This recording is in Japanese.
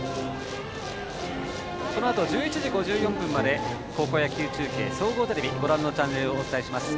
このあと１１時５４分まで高校野球中継総合テレビ、ご覧のチャンネルでお伝えします。